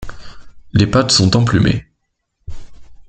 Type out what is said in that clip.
Les pattes sont emplumées.